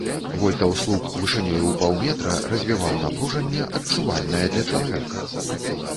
Вольтаў слуп вышынёю ў паўметра развіваў напружанне, адчувальнае для чалавека.